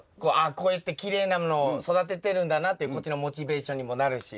こうやってきれいなものを育ててるんだなっていうこっちのモチベーションにもなるし。